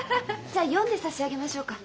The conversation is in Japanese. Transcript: じゃあ読んで差し上げましょうか？